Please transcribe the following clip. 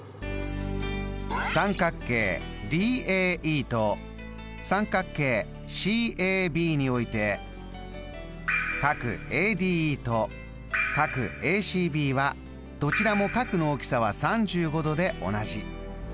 三角形ＤＡＥと三角形ＣＡＢにおいてＡＤＥとＡＣＢはどちらも角の大きさは３５度で同じ。